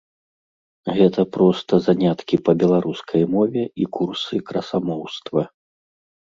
Гэта проста заняткі па беларускай мове і курсы красамоўства.